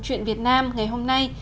chuyện việt nam ngày hôm nay